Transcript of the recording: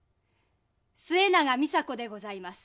末永美佐子でございます。